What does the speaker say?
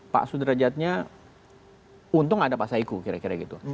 pak sudrajatnya untung ada pak saiku kira kira gitu